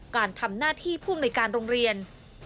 การทำหน้าที่ผู้อำนวยการโรงเรียน